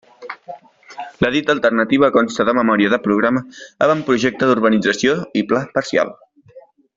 La dita alternativa consta de memòria de programa, avantprojecte d'urbanització i pla parcial.